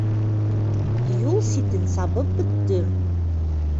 Юл ситен сабып бөттөм.